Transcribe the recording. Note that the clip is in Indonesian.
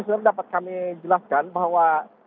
sebenarnya dapat kami jelaskan bahwa